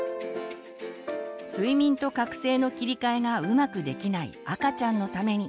睡眠と覚醒の切り替えがうまくできない赤ちゃんのために。